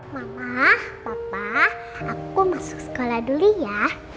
mama papa aku masuk sekolah dulu ya